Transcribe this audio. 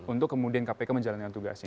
untuk kemudian kpk menjalankan tugasnya